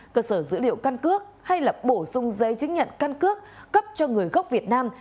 cơ sở dữ liệu căn cước hay là bổ sung giấy chứng nhận căn cước cấp cho người gốc việt nam